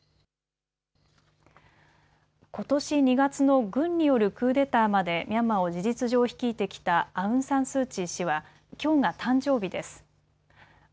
ことし２月の軍によるクーデターまでミャンマーを事実上率いてきたアウン・サン・スー・チー氏はきょうが誕生日です。